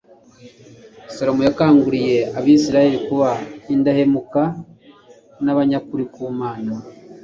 salomo yakanguriye abisirayeli kuba indahemuka n'abanyakuri ku mana